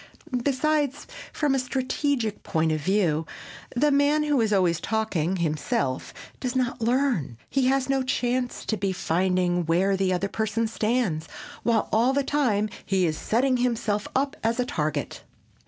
Besides, from a strategic point of view, the man who is always talking himself does not learn; he has no chance to be finding where the other person stands, while, all the time, he is setting himself up as a target.